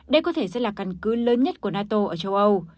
đây có thể sẽ là căn cứ lớn nhất của nato ở châu âu